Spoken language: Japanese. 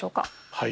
はい。